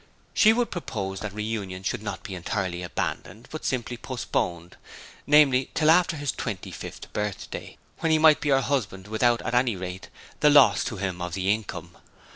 She would propose that reunion should not be entirely abandoned, but simply postponed namely, till after his twenty fifth birthday when he might be her husband without, at any rate, the loss to him of the income.